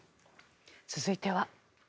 続いては。